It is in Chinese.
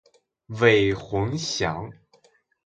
韦宏翔